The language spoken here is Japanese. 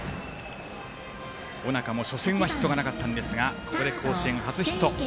尾中も初戦はヒットなかったんですが甲子園で初ヒット。